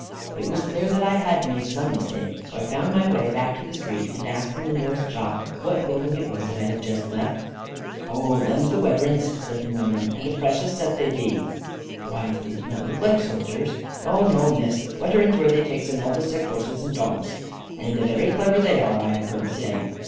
It was clear that I had made some mistake, so I found my way back to the street, and asked in the nearest shop what building it was that I had just left. "Oh, them's the weterans," said the woman, "and a precious set they be!" "Why, they did not look like soldiers." "No, no, Miss. Weterans, where they takes in all the sick horses and dogs. And very clever they are, I have heard say."